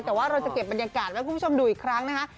แต่ว่าเราจะเก็บบรรยากาศไว้คุณผู้ชมดูอีกครั้งนะคะ